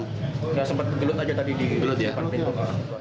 tidak sempat gelut aja tadi di depan pintu